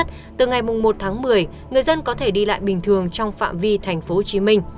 một tháng một mươi người dân có thể đi lại bình thường trong phạm vi tp hcm